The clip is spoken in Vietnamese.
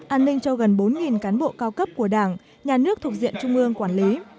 an ninh cho gần bốn cán bộ cao cấp của đảng nhà nước thuộc diện trung ương quản lý